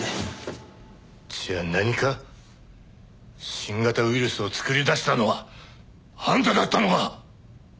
新型ウイルスを作り出したのはあんただったのか！